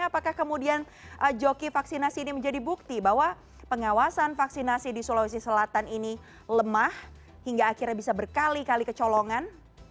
apakah kemudian joki vaksinasi ini menjadi bukti bahwa pengawasan vaksinasi di sulawesi selatan ini lemah hingga akhirnya bisa berkali kali kecolongan